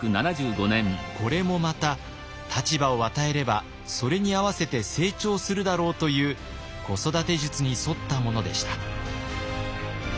これもまた立場を与えればそれに合わせて成長するだろうという子育て術に沿ったものでした。